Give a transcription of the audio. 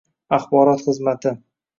Axborot xizmati